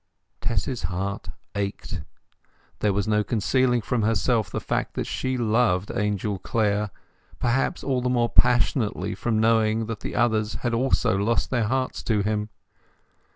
Tess's heart ached. There was no concealing from herself the fact that she loved Angel Clare, perhaps all the more passionately from knowing that the others had also lost their hearts to him.